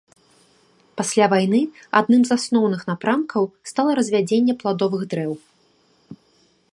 Пасля вайны адным з асноўных напрамкаў стала развядзенне пладовых дрэў.